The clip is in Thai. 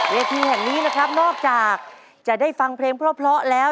เวทีแห่งนี้นะครับนอกจากจะได้ฟังเพลงเพราะแล้ว